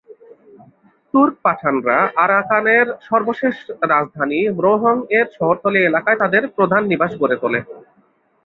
তুর্ক-পাঠানরা আরাকানের সর্বশেষ রাজধানী ম্রোহং-এর শহরতলি এলাকায় তাদের প্রধান নিবাস গড়ে তোলে।